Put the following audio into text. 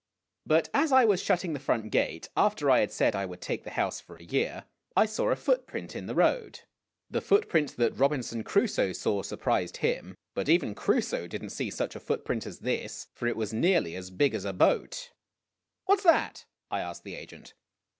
But as I was shutting the front gate, after I had said I would take the house for a year, I saw a footprint in the road. The footprint that Robinson Crusoe saw surprised him, but even Crusoe did n't see such a footprint as this, for it was nearly as big as a boat. " What 's that ?" I asked the agent.